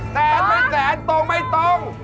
สเตตเป็นแสนตรงไม่ตรง